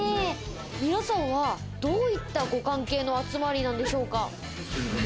皆さんはどういったご関係の集まりなんでしょうか？